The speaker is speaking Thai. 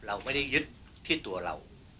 เราไม่ได้ยึดที่ตัวเรา